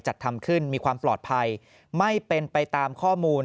จัดทำขึ้นมีความปลอดภัยไม่เป็นไปตามข้อมูล